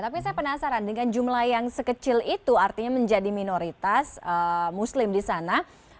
tapi saya penasaran dengan jumlah yang sekecil itu artinya menjadi minoritas muslim di sana